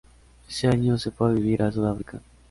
Ese año se fue a vivir a Sudáfrica.